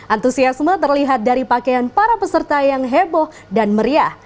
antusiasme terlihat dari pakaian para peserta yang heboh dan meriah